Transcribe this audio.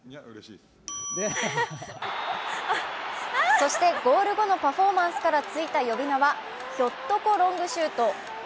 そしてゴール後のパフォーマンスからついた呼び名はひょっとこロングシュート。